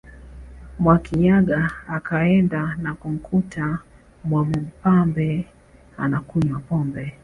Mwakinyaga akaenda na kumkuta Mwamubambe anakunywa pombe